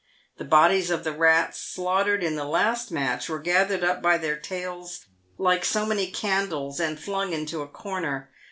The bodies of the rats slaughtered in the last match were gathered up by their tails like so many candles, and flung into a corner.